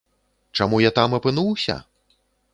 Чаму я там апынуўся?